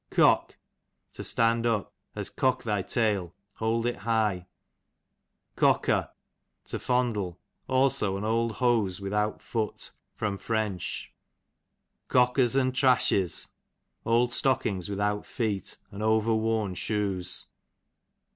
Cook, to stand up, as cock thy tail, hold it high. Cocker, to fondle ; also an old hose without foot. Fr. Cockers, and trashes, old stock ings without feet, and over worn shoes.